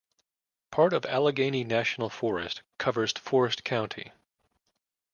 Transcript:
Part of Allegheny National Forest covers Forest County.